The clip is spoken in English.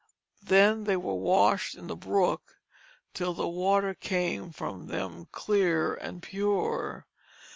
Then they were washed in the brook till the water came from them clear and pure.